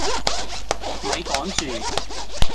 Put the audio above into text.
咪講住